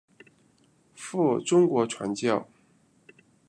赴中国传教。